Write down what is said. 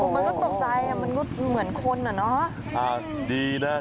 มันก็ตกใจมันก็เหมือนคนอ่ะเนอะดีนะ